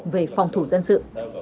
về phòng thủ dân sự